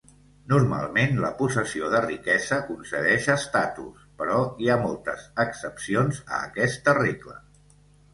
Normalment, la possessió de riquesa concedeix estatus, però hi ha moltes excepcions a aquesta regla.